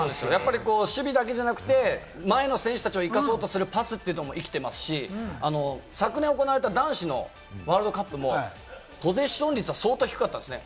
守備だけじゃなくて、前の選手たちを生かそうとするパスというのも生きてますし、昨年行われた男子のワールドカップもポゼッション率は相当低かったんですね。